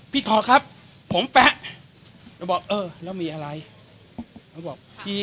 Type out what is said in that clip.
พี่ทอครับผมแป๊ะบอกเอ้อแล้วมีอะไร